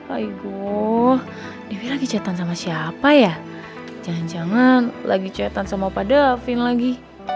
aigoooo dewi lagi curhatan sama siapa ya jangan jangan lagi curhatan sama opa davin lagi